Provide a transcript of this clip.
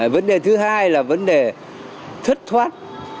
vấn đề thứ hai là vấn đề thất thoát